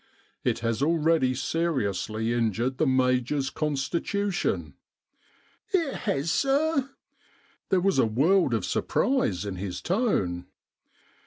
It has already seriously injured the Major's con stitution." "It has, sir ?" There was a world of sur prise in his tone.